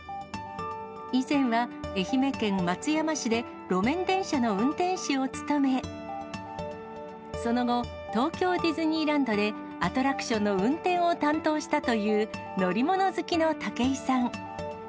以前は愛媛県松山市で路面電車の運転士を務め、その後、東京ディズニーランドでアトラクションの運転を担当したという乗り物好きの武井さん。